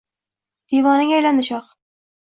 Devonaga aylandi shoh